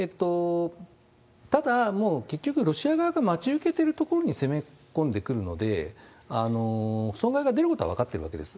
ただ、もう結局、ロシア側が待ち受けてる所に攻め込んでくるので、損害が出ることは分かってるわけです。